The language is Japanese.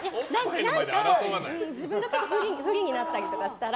何か自分が不利になったりとかしたら。